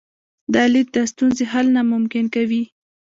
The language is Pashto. دا لید د ستونزې حل ناممکن کوي.